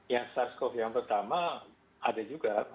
ya sars cov yang pertama ada juga